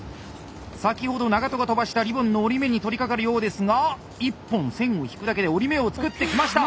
先ほど長渡が飛ばしたリボンの折り目に取りかかるようですが１本線を引くだけで折り目を作ってきました！